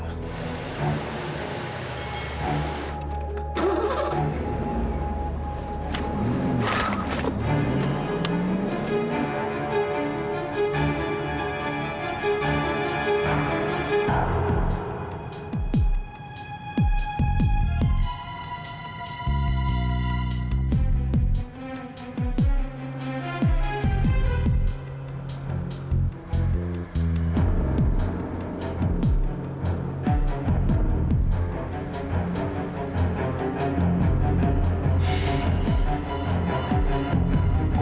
aku harus dapatkan alamat kamila